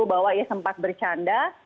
bahwa ia sempat bercanda